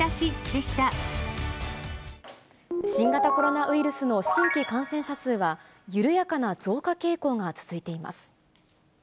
新型コロナウイルスの新規感染者数は、緩やかな増加傾向が続いています。